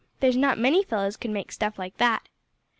There's not many fellows could make stuff like that."